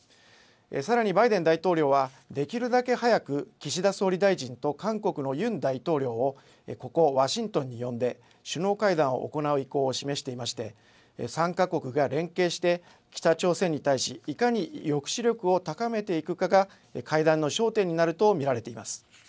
さらにバイデン大統領はできるだけ早く岸田総理大臣と韓国のユン大統領をここ、ワシントンに呼んで首脳会談を行う意向を示していまして３か国が連携して北朝鮮に対しいかに抑止力を高めていくかが会談の焦点になると見られています。